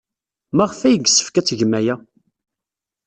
Maɣef ay yessefk ad tgem aya?